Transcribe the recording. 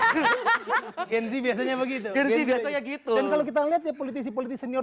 hahaha ini biasanya begitu jadi biasanya gitu kalau kita lihat ya politisi politisi senior